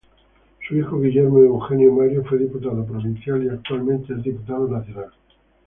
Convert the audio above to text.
Su hijo Guillermo Eugenio Mario fue diputado provincial y actualmente es diputado nacional.